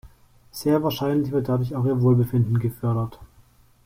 Sehr wahrscheinlich wird dadurch auch ihr Wohlbefinden gefördert.